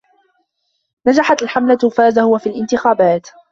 نجحت الحملة وفاز هو في الإنتخابات.